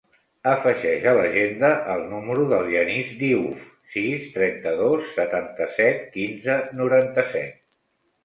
Afegeix a l'agenda el número del Yanis Diouf: sis, trenta-dos, setanta-set, quinze, noranta-set.